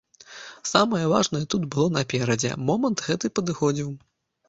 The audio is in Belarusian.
Самае важнае тут было наперадзе, момант гэты падыходзіў.